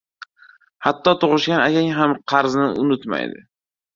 • Hatto tug‘ishgan akang ham qarzni unutmaydi.